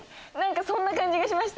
そんな感じがしました。